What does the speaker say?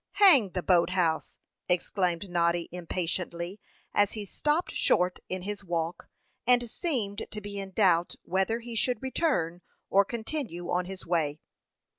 "Hang the boat house!" exclaimed Noddy, impatiently, as he stopped short in his walk, and seemed to be in doubt whether he should return or continue on his way.